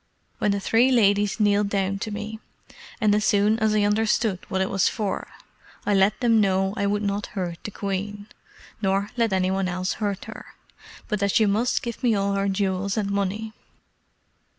When the three ladies kneeled down to me, and as soon as I understood what it was for, I let them know I would not hurt the queen, nor let any one else hurt her, but that she must give me all her jewels and money.